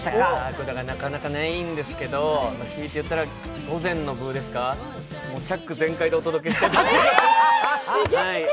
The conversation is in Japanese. これがなかなかないんですけど、強いて言ったら午前の部ですかチャック全開でお届けしていたっていう。